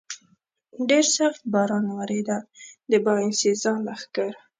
ډېر سخت باران ورېده، د باینسېزا لښکر.